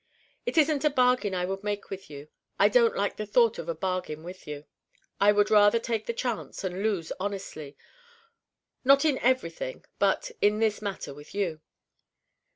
It isn't a bargain I would make with you. I don't like the thought of a bargain with you. I would rather take the chance and lose honestly: not in everything but in this matter with you.